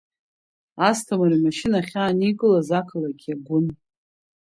Асҭамыр имашьына ахьааникылаз ақалақь иагәын.